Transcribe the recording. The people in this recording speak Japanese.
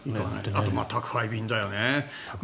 あと宅配便だよね。